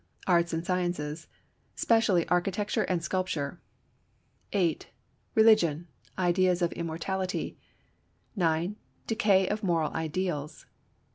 Arts and sciences; specially architecture and sculpture. 8. Religion; ideas of immortality. 9. Decay of moral ideals.